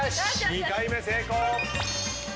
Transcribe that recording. ２回目成功。